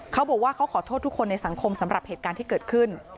เขาบอกว่าเขาขอโทษทุกคนในสังคมสำหรับเหตุการณ์ที่เกิดขึ้น